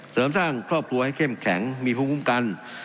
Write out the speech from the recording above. เสริมสร้างครอบครัวให้เข้มแข็งมีภูมิคุ้มกัน